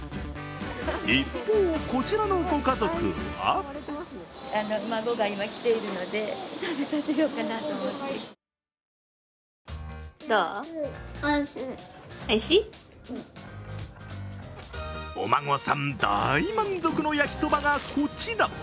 一方、こちらのご家族はお孫さん、大満足の焼きそばがこちら。